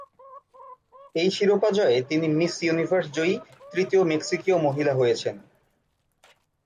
এই শিরোপা জয়ে তিনি মিস ইউনিভার্স জয়ী তৃতীয় মেক্সিকীয় মহিলা হয়েছেন।